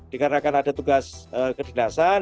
dikarenakan ada tugas kedinasan